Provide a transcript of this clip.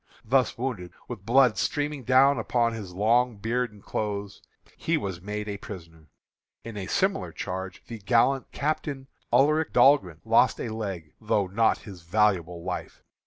Thus wounded, with blood streaming down upon his long beard and clothes, he was made a prisoner. In a similar charge the gallant Captain Ulric Dahlgren lost a leg, though not his valuable life.